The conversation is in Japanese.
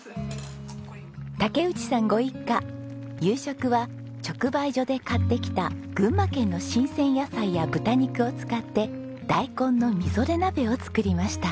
竹内さんご一家夕食は直売所で買ってきた群馬県の新鮮野菜や豚肉を使って大根のみぞれ鍋を作りました。